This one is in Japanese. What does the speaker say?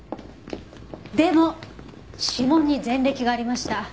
でも指紋に前歴がありました。